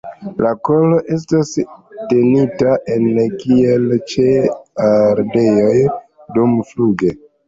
La kolo estas tenita ene kiel ĉe ardeoj dumfluge.